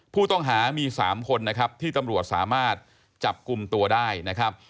ผู้ต้องหามี๓คนนะครับที่ตำรวจสามารถจับกลุ่มตัวได้นะครับ